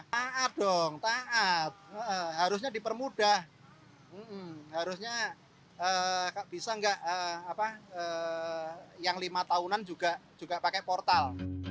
taat dong taat harusnya dipermudah harusnya bisa nggak apa yang lima tahunan juga pakai portal